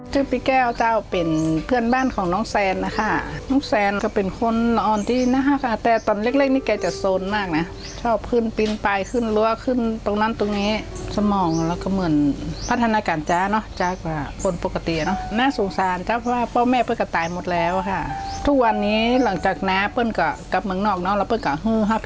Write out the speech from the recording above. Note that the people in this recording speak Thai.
ซึ่งพี่แก้วเจ้าเป็นเพื่อนบ้านของน้องแซนนะคะน้องแซนก็เป็นคนนอนที่หน้าค่ะแต่ตอนเล็กนี่แกจะโซนมากนะชอบขึ้นปีนไปขึ้นรั้วขึ้นตรงนั้นตรงนี้สมองแล้วก็เหมือนพัฒนาการจ๊ะเนาะจ๊ะคนปกติเนอะน่าสงสารจ๊ะเพราะว่าพ่อแม่เปิ้กระต่ายหมดแล้วค่ะทุกวันนี้หลังจากน้าเปิ้ลก็กลับเมืองนอกเนอะแล้วเปิ้ก็ฮือฮับ